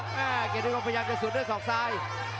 เกณฑิคมพยายามจะสูดด้วยสองซ้าย